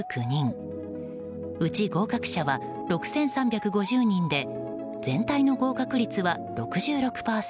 うち合格者は６３５０人で全体の合格率は６６％。